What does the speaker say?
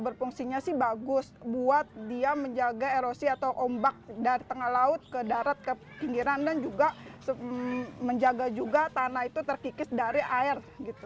berfungsinya sih bagus buat dia menjaga erosi atau ombak dari tengah laut ke darat ke pinggiran dan juga menjaga juga tanah itu terkikis dari air